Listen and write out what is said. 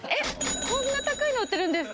こんな高いの売ってるんですか？